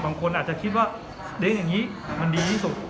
บางคนอาจจะคิดว่าเด้งอย่างนี้มันดีที่สุด